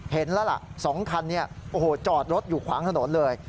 เห็นแล้วล่ะ๒คันจอดรถอยู่ขวางถนนเลย